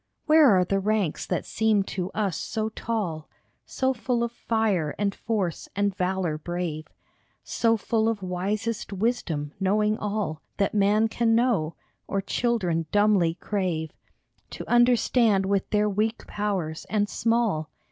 Where are the ranks that seemed to us so tall, So full of fire and force and valor brave, So full of wisest wisdom, knowing all That man can know, or children dumbly crave To understand with their weak powers, and small